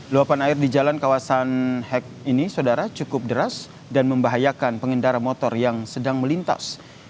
luapan air di jalan kawasan hek ini saudara cukup deras dan membahayakan pengendara motor yang sedang melintas